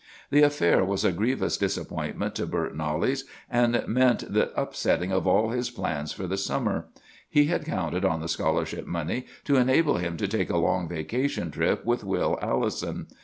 "The affair was a grievous disappointment to Bert Knollys, and meant the upsetting of all his plans for the summer. He had counted on the scholarship money to enable him to take a long vacation trip with Will Allison.